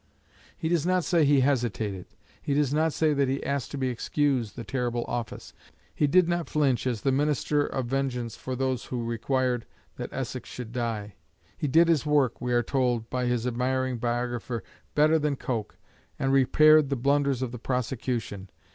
He does not say he hesitated. He does not say that he asked to be excused the terrible office. He did not flinch as the minister of vengeance for those who required that Essex should die. He did his work, we are told by his admiring biographer, better than Coke, and repaired the blunders of the prosecution.